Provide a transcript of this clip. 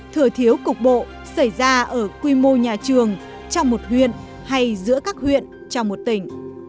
thừa thiếu cục bộ xảy ra ở quy mô nhà trường trong một huyện hay giữa các huyện trong một tỉnh